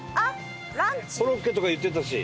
コロッケとか言ってたし。